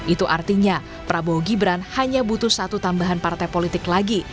itu artinya prabowo gibran hanya butuh satu tambahan partai politik lagi